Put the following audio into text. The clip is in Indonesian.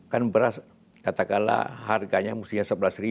kan beras katakanlah harganya mustinya sebelas